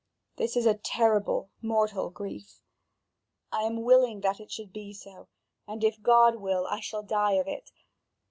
This is a terrible mortal grief. I am willing that it should be so, and if God will, I shall die of it.